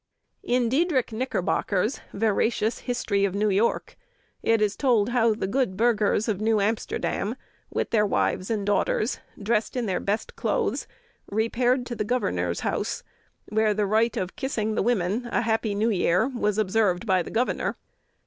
In Diedrich Knickerbocker's veracious History of New York, it is told how the good burghers of New Amsterdam, with their wives and daughters, dressed in their best clothes, repaired to the governor's house, where the rite of kissing the women a happy new year was observed by the governor.